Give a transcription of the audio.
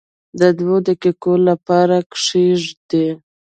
د دوو دقیقو لپاره یې کښېږدئ.